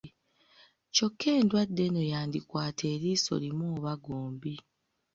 Kyokka endwadde eno yandikwata eriiso limu oba gombi